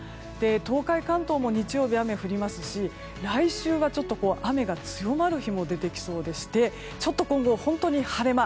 東海、関東も日曜日、雨降りますし来週は雨が強まる日も出てきそうでしてちょっと今後本当に晴れ間